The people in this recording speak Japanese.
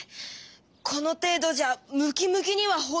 この程度じゃムキムキにはほど遠い？